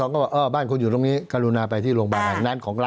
๑๔๒๒ก็บอกบ้านคุณอยู่ตรงนี้การุณาไปที่โรงพยาบาล